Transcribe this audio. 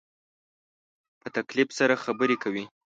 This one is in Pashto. په تکلف سره خبرې کوې